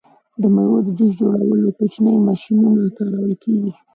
د میوو د جوس جوړولو کوچنۍ ماشینونه کارول کیږي.